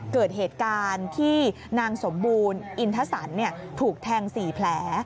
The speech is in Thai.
เกิดเหตุการณ์ที่นางสมบูรณ์อินทสันถูกแทง๔แผล